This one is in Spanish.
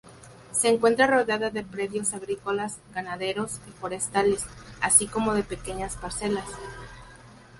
Se encuentra rodeada de predios agrícolas, ganaderos y forestales, así como de pequeñas parcelas.